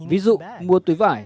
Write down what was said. ví dụ mua túi vải